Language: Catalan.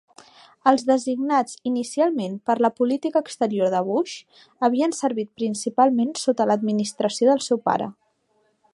Els designats inicialment per la política exterior de Bush havien servit principalment sota l'administració del seu pare.